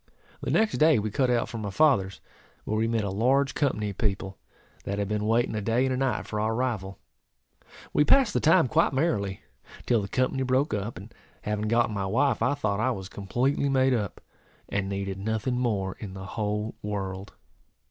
The next day we cut out for my father's, where we met a large company of people, that had been waiting a day and a night for our arrival. We passed the time quite merrily, until the company broke up; and having gotten my wife, I thought I was completely made up, and needed nothing more in the whole world.